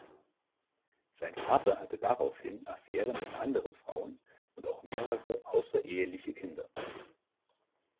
Sein Vater hatte daraufhin Affären mit anderen Frauen und auch mehrere außereheliche Kinder.